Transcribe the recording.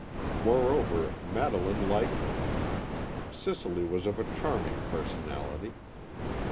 Moreover, Madeleine liked her. Cicely was of a charming personality.